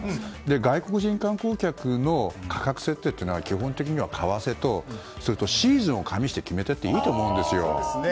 外国人観光客の価格設定というのは基本的には為替とそれとシーズンを加味して決めて行っていいと思うんですよ。